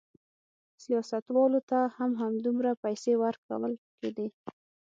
سیاستوالو ته هم همدومره پیسې ورکول کېدې.